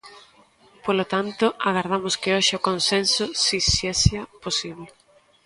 Polo tanto, agardamos que hoxe o consenso si sexa posible.